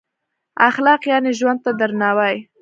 اخلاق یعنې ژوند ته درناوی.